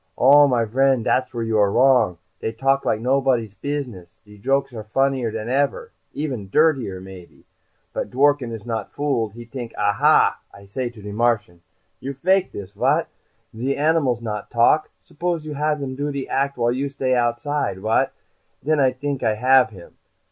"Oh, my vriend, dat's where you are wrong. Dey talk like nobotty's business. De jokes are funnier than ever. Even dirtier, maybe. But Dworken is not fooled. He t'ink. 'Aha!' I say to de Martian, 'You fake this, what? De animals not talk. Suppose you have them do de act while you outside stay, what?' Then I t'ink I have him.